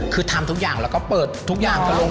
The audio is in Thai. คือทำทุกอย่างแล้วก็เปิดทุกอย่างก็ลง